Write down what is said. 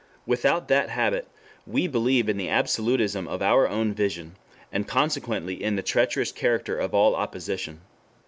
Without that habit, we believe in the absolutism of our own vision, and consequently in the treacherous character of all opposition.